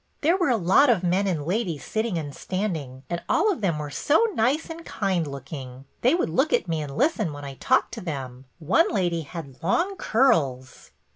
" There were a lot of men and ladies sitting and standing, and all of them were so nice and kind looking. They would look at me and listen when I talked to them. One lady had long curls."